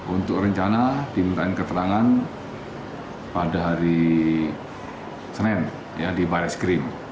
untuk rencana diminta keterangan pada hari senin di bareskrim